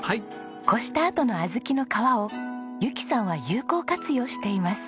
こしたあとの小豆の皮を由紀さんは有効活用しています。